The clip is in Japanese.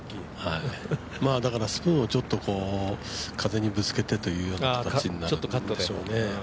だからスプーンをちょっと風にぶつけてという形になるでしょうね。